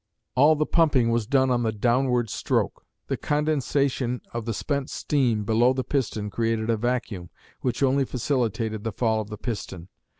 All the pumping was done on the downward stroke. The condensation of the spent steam below the piston created a vacuum, which only facilitated the fall of the piston.